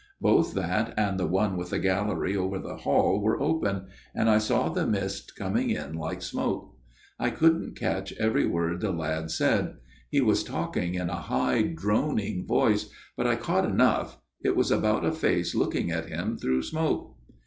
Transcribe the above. Both that and the one with FATHER JENKS' TALE 165 the gallery over the hall were open, and I saw the mist coming in like smoke. " I couldn't catch every word the lad said. He was talking in a high droning voice, but I caught enough. It was about a face looking at him through smoke.